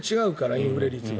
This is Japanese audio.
インフレ率が。